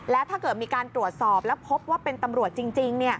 แล้วถ้าเกิดมีการตรวจสอบแล้วพบว่าเป็นตำรวจจริง